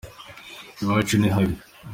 iwacu nihabi